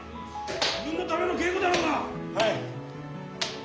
自分のための稽古だろうが！